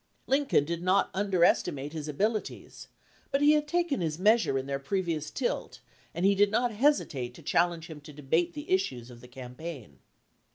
Lincoln did not underestimate his abilities; but he had taken his measure in their previous tilt, and he did not hesitate to challenge him to debate the issues of the campaign.